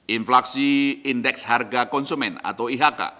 inflasi indeks harga konsumen atau ihk